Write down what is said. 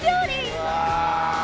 うわ！